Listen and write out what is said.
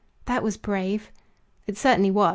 "That was brave." "It certainly was.